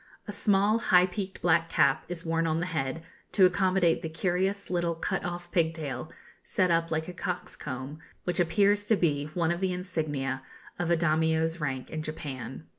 A small high peaked black cap is worn on the head, to accommodate the curious little cut off pigtail, set up like a cock's comb, which appears to be one of the insignia of a Daimio's rank in Japan.